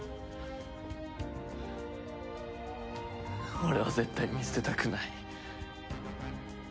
俺は絶対見捨てたくない。